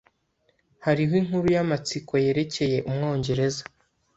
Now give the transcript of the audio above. Hariho inkuru yamatsiko yerekeye Umwongereza.